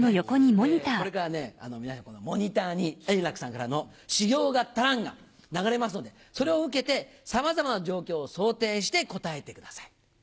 これからね、皆さんモニターに円楽さんからの修行が足らん！が流れますので、それを受けて、さまざまな状況を想定して答えてください。